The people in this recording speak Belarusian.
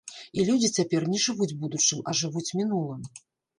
І людзі цяпер не жывуць будучым, а жывуць мінулым.